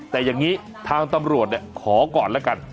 แต่อย่างนี้ทางตำรวจขอก่อนแล้วกัน